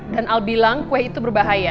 dan al bilang kue itu berbahaya